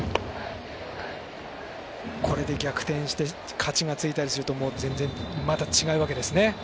これで逆転して勝ちがついたりすると全然、また違うわけですね。